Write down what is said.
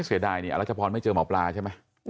เศรษฐ์ดายรัชพนไม่เจอหมอพลาใช่ไหม